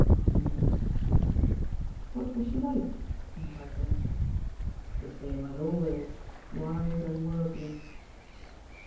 he n^ifljfL "What was she like?*' enquired Beresford. "The same as always, wiarWd worldly."